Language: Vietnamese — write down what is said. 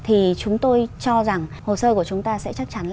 thì chúng tôi cho rằng hồ sơ của chúng ta sẽ chắc chắn là